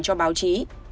cho báo chí